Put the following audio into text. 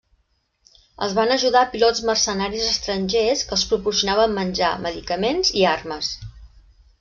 Els van ajudar pilots mercenaris estrangers que els proporcionaven menjar, medicaments i armes.